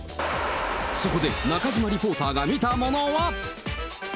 そこで中島リポーターが見たものは。